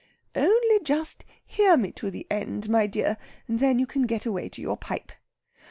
"Only just hear me to the end, my dear, and then you can get away to your pipe.